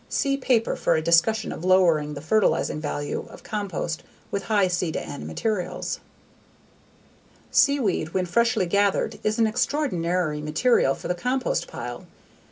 See _Paper _for a discussion of lowering the fertilizing value of compost with high C/N materials. Seaweed when freshly gathered is an extraordinary material for the compost pile.